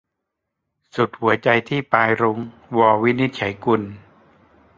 สุดหัวใจที่ปลายรุ้ง - ว วินิจฉัยกุล